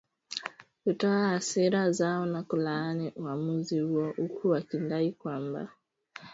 kutoa hasira zao na kulaani uwamuzi huo huku wakidai kwamba huo sio uwamuzi wa mwisho